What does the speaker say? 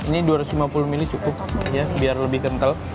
ini dua ratus lima puluh mili cukup ya biar lebih kental